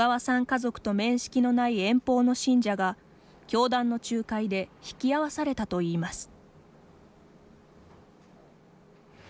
家族と面識のない遠方の信者が、教団の仲介で引き合わされたといいます。